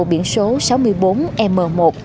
biển số sáu mươi bốn m một mươi hai nghìn ba trăm linh chín